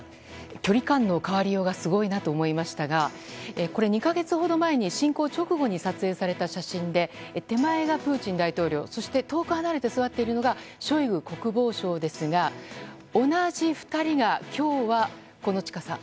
距離感の変わりようがすごいなと思いましたがこれ、２か月ほど前に侵攻直後に撮影された写真で手前がプーチン大統領そして遠く離れて座っているのがショイグ国防相ですが同じ２人が今日は、この近さ。